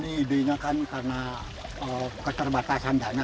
nah ini idenya kan karena keterbatasan dana ya